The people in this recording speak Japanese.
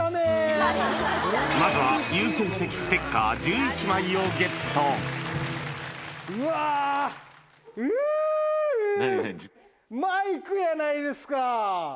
まずは、優先席ステッカーうわー、うー、マイクやないですか。